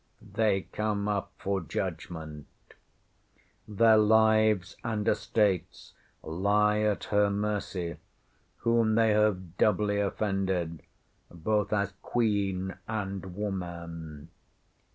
They come up for judgement. Their lives and estates lie at her mercy whom they have doubly offended, both as Queen and woman.